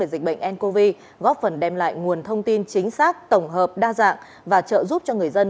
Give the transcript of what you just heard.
dịch bệnh ncov góp phần đem lại nguồn thông tin chính xác tổng hợp đa dạng và trợ giúp cho người dân